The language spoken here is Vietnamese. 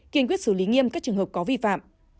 kiên quyết xử lý nghiêm các trường hợp có vi phạm